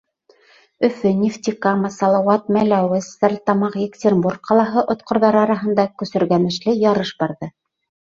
Өфө, Нефтекама, Салауат, Мәләүез, Стәрлетамаҡ, Екатеринбург ҡалаһы отҡорҙары араһында көсөргәнешле ярыш барҙы.